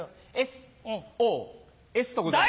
「Ｓ」「Ｏ」「Ｓ」とございます。